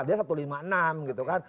dia satu ratus lima puluh enam gitu kan